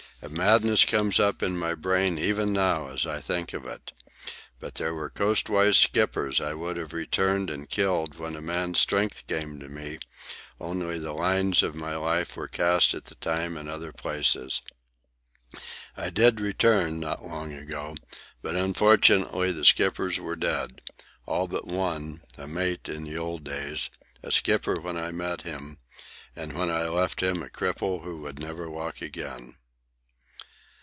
A madness comes up in my brain even now as I think of it. But there were coastwise skippers I would have returned and killed when a man's strength came to me, only the lines of my life were cast at the time in other places. I did return, not long ago, but unfortunately the skippers were dead, all but one, a mate in the old days, a skipper when I met him, and when I left him a cripple who would never walk again."